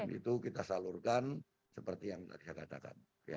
dan itu kita salurkan seperti yang tadi saya katakan